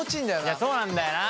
いやそうなんだよな。